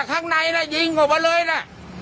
ข้างในน่ะยิงเขาไปเลยน่ะ